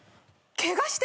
ケガしてる！